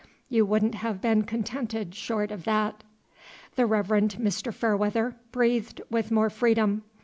You wouldn't have been contented short of that." The Reverend Mr. Fairweather breathed with more freedom.